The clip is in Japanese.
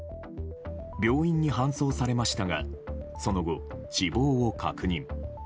病院に搬送されましたがその後、死亡を確認。